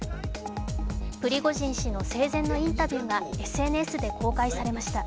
プリゴジン氏の生前のインタビューがＳＮＳで公開されました。